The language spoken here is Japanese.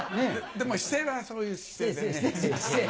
でも姿勢はそういう姿勢でね。